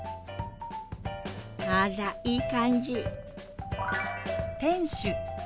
あらいい感じ！